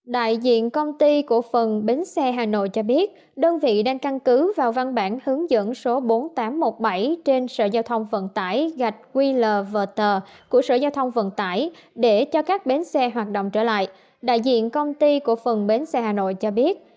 đại diện công ty cổ phần bến xe hà nội cho biết đơn vị đang căn cứ vào văn bản hướng dẫn số bốn nghìn tám trăm một mươi bảy trên sở giao thông vận tải gạch qlvtor của sở giao thông vận tải để cho các bến xe hoạt động trở lại đại diện công ty của phần bến xe hà nội cho biết